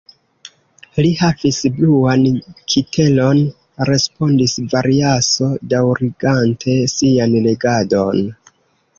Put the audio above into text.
Li havis bluan kitelon, respondis Variaso, daŭrigante sian legadon.